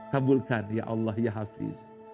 kabulkan ya allah ya hafiz